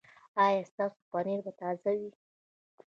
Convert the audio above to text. ایا ستاسو پنیر به تازه وي؟